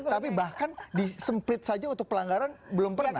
tapi bahkan disemplit saja untuk pelanggaran belum pernah